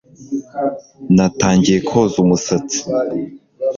natangiye koza umusatsi